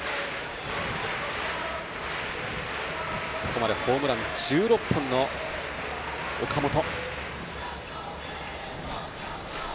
ここまでホームラン１６本の岡本。